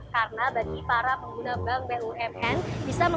karena bagi para pengguna bank bumn